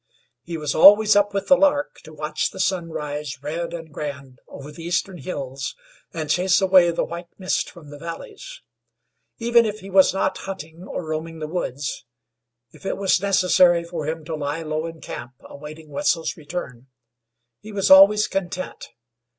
He was always up with the lark to watch the sun rise red and grand over the eastern hills, and chase away the white mist from the valleys. Even if he was not hunting, or roaming the woods, if it was necessary for him to lie low in camp awaiting Wetzel's return, he was always content.